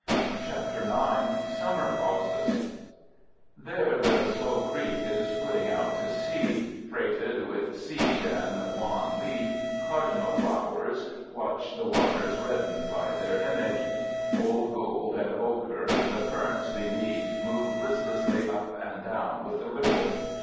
CHAPTER IX. SUMMER PAUSES Where the slow creek is putting out to sea, freighted with seed and wan leaf, cardinal flowers watch the waters reddened by their image. Old gold and ocher, the ferns beneath move listlessly up and down with the ripple.